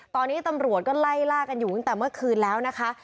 ตอนนี้ตำรวจก็ไล่ล่ากันอยู่ตั้งแต่เมื่อคืนแล้วนะคะ